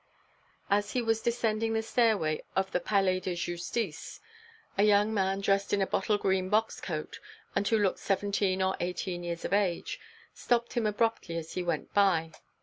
As he was descending the stairway of the Palais de Justice, a young man dressed in a bottle green box coat, and who looked seventeen or eighteen years of age, stopped him abruptly as he went by.